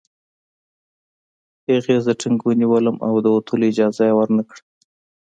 هغې زه ټینګ ونیولم او د وتلو اجازه یې ورنکړه